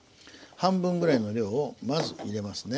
半分ぐらいの量をまず入れますね。